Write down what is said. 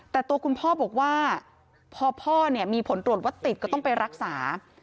แต่ตัวคุณพ่อบอกว่าพอพ่อเนี่ยมีผลตรวจว่าติดก็ต้องไปรักษา